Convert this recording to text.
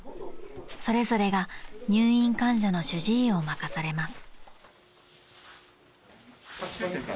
［それぞれが入院患者の主治医を任されます］